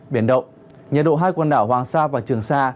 biển động nhiệt độ hai quần đảo hoàng sa và trường sa